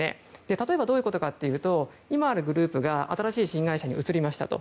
例えばどういうことかというと今あるグループが新しい新会社に移りましたと。